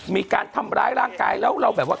มีการทำร้ายร่างกายแล้วเราแบบว่า